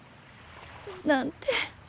なんて